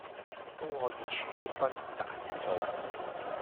都可以儲積分賺里數